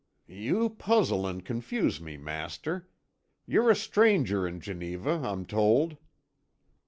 "You puzzle and confuse me, master. You're a stranger in Geneva, I'm told."